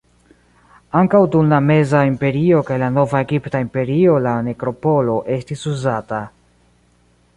Ankaŭ dum la Meza Imperio kaj la Nova Egipta Imperio la nekropolo estis uzata.